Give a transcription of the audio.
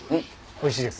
おいしいです？